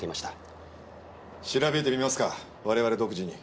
調べてみますか我々独自に。